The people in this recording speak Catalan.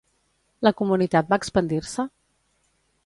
La comunitat va expandir-se?